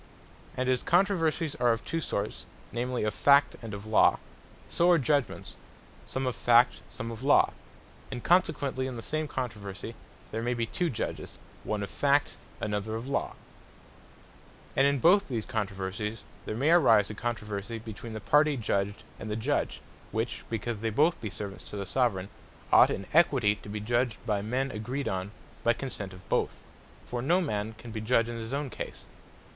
And as Controversies are of two sorts, namely of Fact, and of Law; so are judgements, some of Fact, some of Law: And consequently in the same controversie, there may be two Judges, one of Fact, another of Law. And in both these controversies, there may arise a controversie between the party Judged, and the Judge; which because they be both Subjects to the Soveraign, ought in Equity to be Judged by men agreed on by consent of both; for no man can be Judge in his own cause.